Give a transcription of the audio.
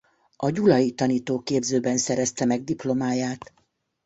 A gyulai tanítóképzőben szerezte meg diplomáját.